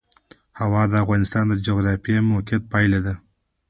هوا د افغانستان د جغرافیایي موقیعت پایله ده.